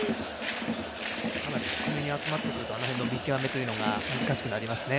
かなり低めに集まってくるとあの辺の見極めが難しくなってきますね。